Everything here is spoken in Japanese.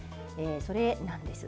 それなんです。